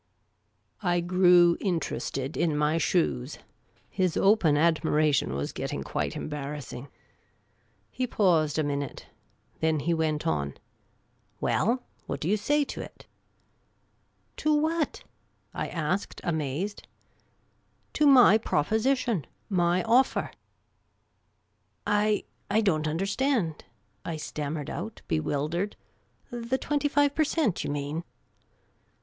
I grew interested in my shoes. His open admiration was getting quite embarrassing. He paused a minute. Then he went on :Well, what do you say to it ?"" To what ?" I asked, amazed. 96 Miss Cayley's Adventures " To my proposition — my offer." " I — I don't nnderstand," I stammered out bewildered. " The twenty five per cent., you mean